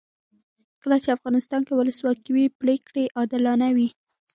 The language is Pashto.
کله چې افغانستان کې ولسواکي وي پرېکړې عادلانه وي.